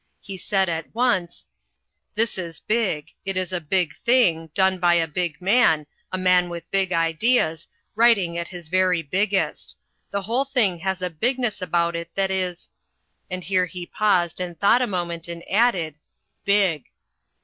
He said at once, "This is big. It is a big thing, done by a big man, a man with big ideas, writing at his very biggest. The whole thing has a bigness about it that is " and here he paused and thought a moment and added "big."